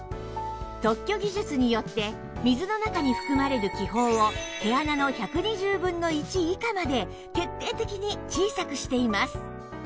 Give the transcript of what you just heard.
特許技術によって水の中に含まれる気泡を毛穴の１２０分の１以下まで徹底的に小さくしています